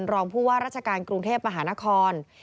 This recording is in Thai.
รองผู้ว่าราชการกรุงเทพมหานคร